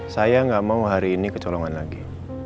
saya nggak mau hari ini kecolongan lagi